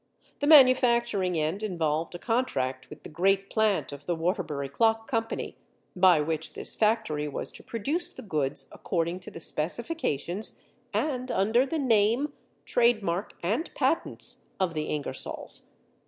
The manufacturing end involved a contract with the great plant of the Waterbury Clock Company, by which this factory was to produce the goods according to the specifications and under the name, trade mark, and patents of the Ingersolls.